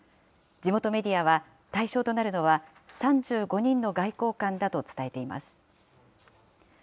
地元メディアは対象となるのは３５人の外交官だと伝えています。